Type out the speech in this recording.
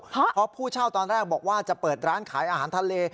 เพราะผู้เช่าตอนแรกบอกว่าจะเปิดร้านขายอาหารทะเล